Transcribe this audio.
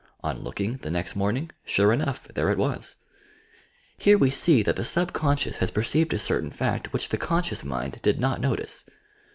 On looking, the next morning, sure enough there it was I Here we see that the subconscious has perceived a certain fact which the conscious mind did not notice.